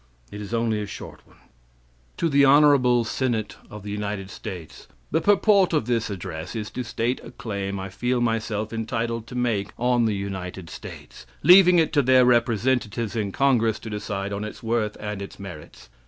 It is only a short one: "To the Honorable Senate of the United States: The purport of this address is to state a claim I feel myself entitled to make on the United States, leaving it to their representatives in congress to decide on its worth and its merits.